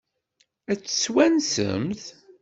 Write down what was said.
Ad tt-twansemt?